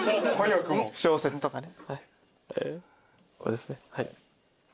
小説とかね。